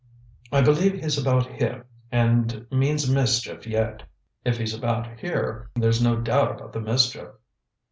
I believe he's about here and means mischief yet." "If he's about here, there's no doubt about the mischief."